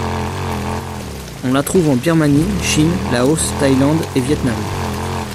On la trouve en Birmanie, Chine, Laos, Thaïlande et Vietnam.